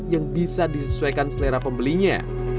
yang bisa disesuaikan selera pembelinya